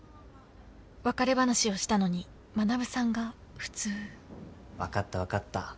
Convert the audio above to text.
別れ話をしたのに学さんが普通分かった分かった。